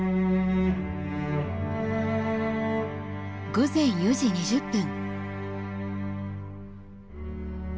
午前４時２０分。